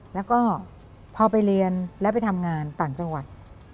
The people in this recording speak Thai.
แล้วก็พอไปเรียนแล้วไปทำงานต่างจังหวัด